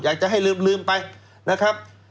อยากจะให้ลืมไปนะครับ